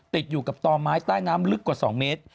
ติดอยู่กับต่อไม้ใต้น้ำลึกกว่า๒เมตร